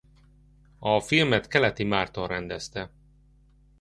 A filmet Keleti Márton rendezte.